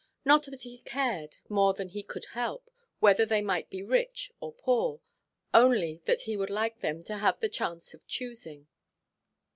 Not that he cared, more than he could help, whether they might be rich or poor; only that he would like them to have the chance of choosing.